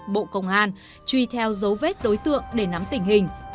bộ công an truy theo dấu vết đối tượng để nắm tình hình